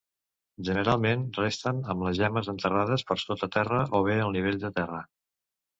Generalment resten amb les gemmes enterrades per sota terra o bé al nivell de terra.